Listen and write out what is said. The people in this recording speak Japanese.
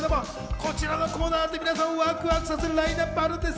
こちらのコーナーだってワクワクさせるラインナップがあります。